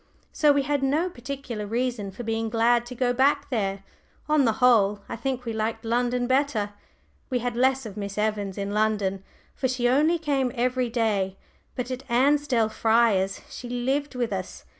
So we had no particular reason for being glad to go back there; on the whole, I think we liked London better. We had less of Miss Evans in London, for she only came every day; but at Ansdell Friars she lived with us.